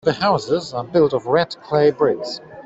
The houses are built of red clay bricks.